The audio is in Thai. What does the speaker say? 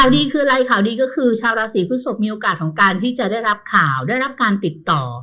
ดีคืออะไรข่าวดีก็คือชาวราศีพฤศพมีโอกาสของการที่จะได้รับข่าวได้รับการติดต่อ